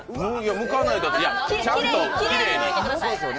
むかないとちゃんときれいに。